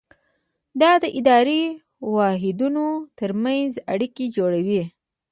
دا د اداري واحدونو ترمنځ اړیکې جوړوي.